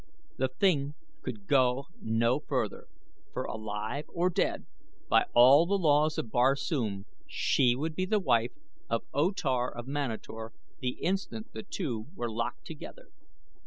The thing could go no further, for alive or dead, by all the laws of Barsoom she would be the wife of O Tar of Manator the instant the two were locked together.